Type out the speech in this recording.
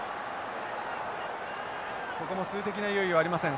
ここも数的な優位はありません。